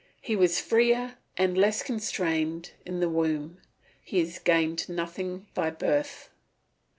He was freer and less constrained in the womb; he has gained nothing by birth.